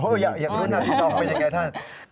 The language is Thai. อย่างนู้นหน้าทีทองเป็นอย่างไรท่าน